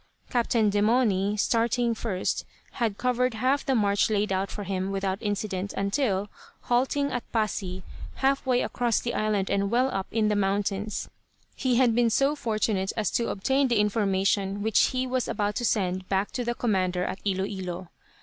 Captain Demauny, starting first, had covered half the march laid out for him, without incident, until, halting at Pasi, half way across the island and well up in the mountains, he had been so fortunate as to obtain the information which he was about to send back to the commander at Ilo Ilo.